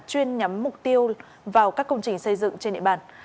chuyên nhắm mục tiêu vào các công trình xây dựng trên địa bàn